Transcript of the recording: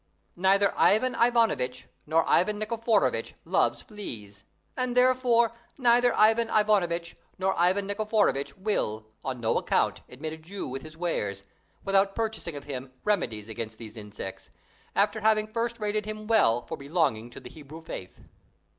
Neither Ivan Ivanovitch nor Ivan Nikiforovitch loves fleas; and therefore, neither Ivan Ivanovitch nor Ivan Nikiforovitch will, on no account, admit a Jew with his wares, without purchasing of him remedies against these insects, after having first rated him well for belonging to the Hebrew faith.